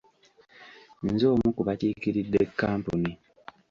Nze omu ku bakiikiridde kkampuni.